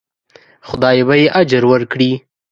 خدای به یې اجر ورکړي.